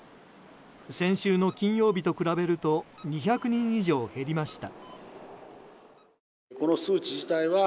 先週の金曜日と比べると２００人以上、減りました。